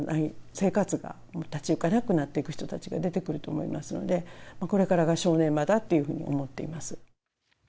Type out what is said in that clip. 生活がもう立ち行かなくなっていく人たちが出てくると思いますので、これからが正念場だっていうふうに思ってます。